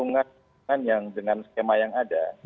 kita perhitungan dengan skema yang ada